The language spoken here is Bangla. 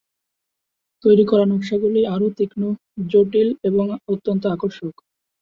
তৈরি করা নকশাগুলি আরও তীক্ষ্ণ, জটিল এবং অত্যন্ত আকর্ষক।